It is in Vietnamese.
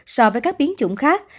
so với các biến chủng khác